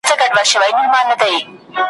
او سړی پوه نه سي چي نقاش څه غوښتل ,